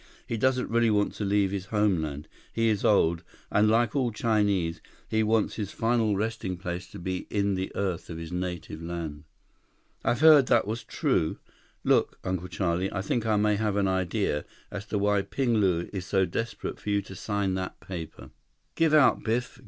He doesn't really want to leave his homeland. He is old, and like all Chinese, he wants his final resting place to be in the earth of his native land." "I've heard that was true—Look, Uncle Charlie, I think I may have an idea as to why Ping Lu is so desperate for you to sign that paper." "Give out, Biff.